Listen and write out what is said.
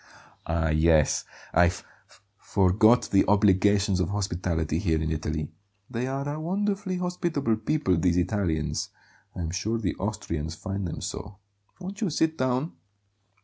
"Ah, yes! I f forgot the obligations of hospitality here in Italy; they are a wonderfully hospitable people, these Italians. I'm sure the Austrians find them so. Won't you sit down?"